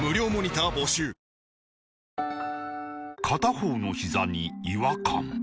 片方のひざに違和感